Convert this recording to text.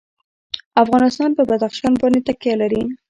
افغانستان په بدخشان باندې تکیه لري.